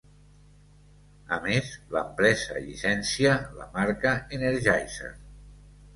A més l'empresa llicencia la marca Energizer.